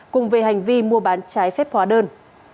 cùng về hành vi mua bán trái phép hóa đơn